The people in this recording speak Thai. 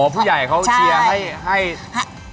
อ๋อผู้ใหญ่เขาเชียร์ให้รักกัน